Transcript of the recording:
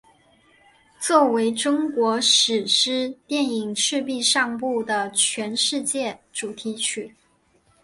作为中国史诗电影赤壁上部的全世界主题曲。